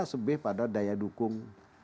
dia sebeh pada daya dukung